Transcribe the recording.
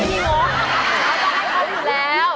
โอ้โฮพี่โหเอาเงินแสนไปทำอะไรอยู่แล้ว